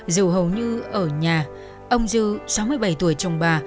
dù hầu như ở nhà ông dư sáu mươi bảy tuổi chồng bà